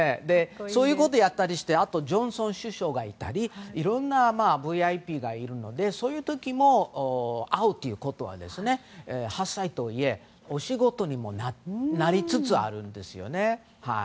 そういうことをやったりあとジョンソン首相がいたりいろんなＶＩＰがいるのでそういう時も会うということは８歳とはいえお仕事にもなりつつあるんです。